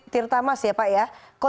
tirta mas ya pak ya